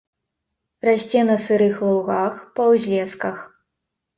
Расце на сырых лугах, па ўзлесках.